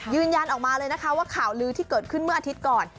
ยืนยันออกมาเลยนะคะว่าข่าวลือที่เกิดขึ้นเมื่ออาทิตย์ก่อน